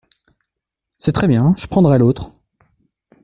C’est très bien… je prendrai l’autre !…